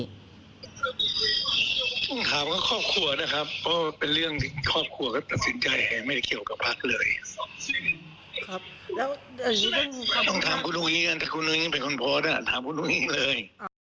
ต้องถามว่าข้อบครัวนะครับเพราะเป็นเรื่องที่ข้อบครัวก็ตัดสินใจจะไม่เกี่ยวกับพรคเลย